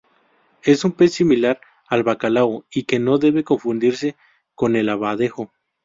Es un pez similar al bacalao y que no debe confundirse con el abadejo.